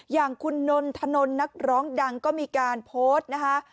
อย่างคุณนนทนนนักร้องดังก็มีการโพสต์นะคะ